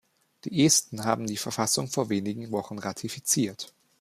Die Esten haben die Verfassung vor wenigen Wochen ratifiziert.